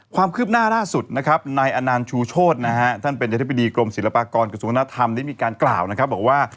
ความคืบหน้าร่าสุดนายอานานชูโชธท่านเป็นเฉพาะติดีกลมศิลปากรกศัตรูกรรมนาธรรมได้กล่าวว่า